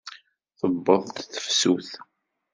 Tewweḍ-d tefsut.